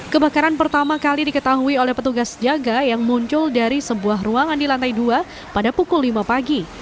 kebakaran pertama kali diketahui oleh petugas jaga yang muncul dari sebuah ruangan di lantai dua pada pukul lima pagi